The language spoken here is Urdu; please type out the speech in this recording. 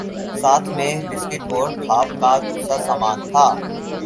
ساتھ میں بسکٹ اور کھا پ کا دوسرا سامان تھے